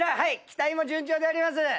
機体も順調であります。